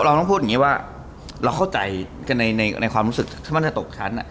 เราต้องพูดอย่างนี้ว่าเราเข้าใจกันในความรู้สึกที่มันจะตกชั้น